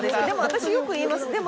でも私よく言います。